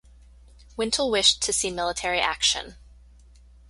Wintle wished to see military action.